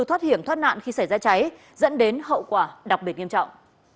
thoát hiểm thoát nạn khi xảy ra cháy dẫn đến hậu quả đặc biệt nghiêm trọng